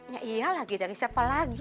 ya iya lagi dari siapa lagi